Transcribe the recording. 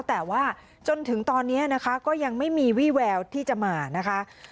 แต่ว่าจนถึงตอนนี้นะคะก็ยังไม่มีวี่แววที่จะมานะคะ